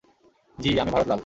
জ্বি, আমি ভারত লাল।